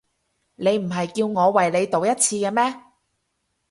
你唔係叫我為你賭一次嘅咩？